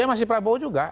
iya masih prabowo juga